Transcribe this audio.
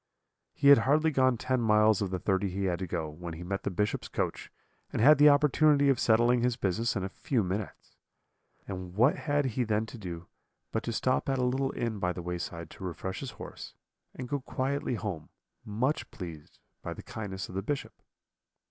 He had hardly gone ten miles of the thirty he had to go, when he met the Bishop's coach, and had the opportunity of settling his business in a few minutes. And what had he then to do but to stop at a little inn by the wayside to refresh his horse, and go quietly home, much pleased by the kindness of the Bishop?